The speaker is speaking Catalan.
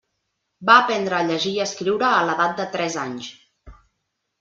Va aprendre a llegir i escriure a l'edat de tres anys.